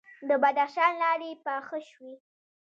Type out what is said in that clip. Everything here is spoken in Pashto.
د بدخشان لارې پاخه شوي؟